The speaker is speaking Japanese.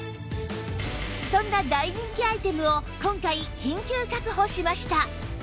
そんな大人気アイテムを今回緊急確保しました